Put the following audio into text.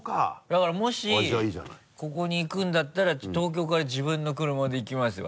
だからもしここに行くんだったら東京から自分の車で行きますよ